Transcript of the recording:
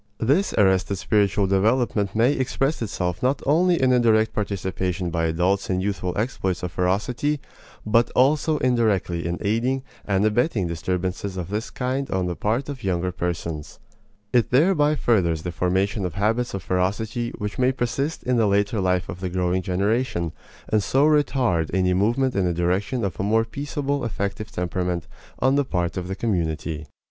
This arrested spiritual development may express itself not only in a direct participation by adults in youthful exploits of ferocity, but also indirectly in aiding and abetting disturbances of this kind on the part of younger persons. It thereby furthers the formation of habits of ferocity which may persist in the later life of the growing generation, and so retard any movement in the direction of a more peaceable effective temperament on the part of the community.